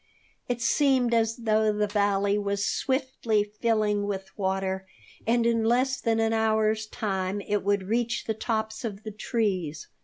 It seemed as though the valley was swiftly filling with water and in less than an hour's time it would reach the tops of the trees.